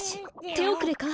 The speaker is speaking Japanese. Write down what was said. ておくれか？